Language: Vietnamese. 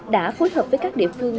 đã phối hợp với các địa phương